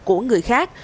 của người khác